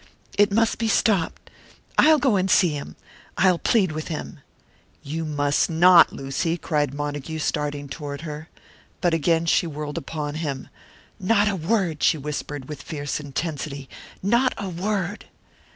"It must be stopped. I'll go and see him. I'll plead with him." "You must not, Lucy!" cried Montague, starting toward her. But again she whirled upon him. "Not a word!" she whispered, with fierce intensity. "Not a word!"